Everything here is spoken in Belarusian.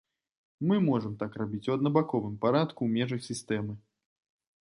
Мы можам так рабіць у аднабаковым парадку ў межах сістэмы.